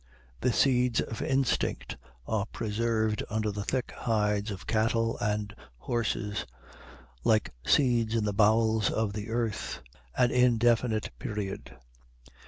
The seeds of instinct are preserved under the thick hides of cattle and horses, like seeds in the bowels of the earth, an indefinite period.